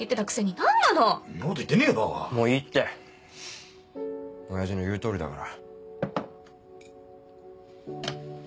もういいって親父の言う通りだから。